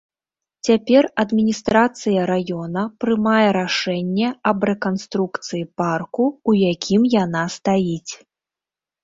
Цяпер адміністрацыя раёна прымае рашэнне аб рэканструкцыі парку, у якім яна стаіць.